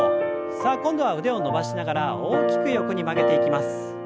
さあ今度は腕を伸ばしながら大きく横に曲げていきます。